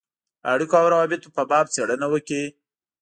اړېکو او روابطو په باب څېړنه وکړي.